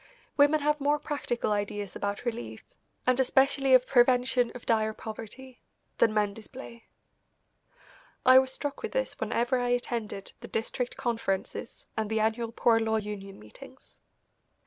Women have more practical ideas about relief, and especially of prevention of dire poverty, than men display. I was struck with this whenever I attended the District Conferences and the annual Poor Law Union Meetings.